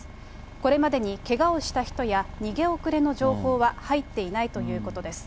これまでにけがをした人や逃げ遅れの情報は入っていないということです。